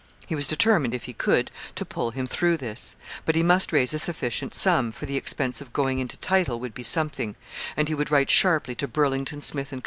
He was determined, if he could, to pull him through this. But he must raise a sufficient sum, for the expense of going into title would be something; and he would write sharply to Burlington, Smith, and Co.